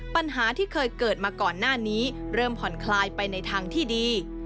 ปัญหาที่เคยเกิดมาก่อนหน้านี้เริ่มผ่อนคลายไปในทางที่ดี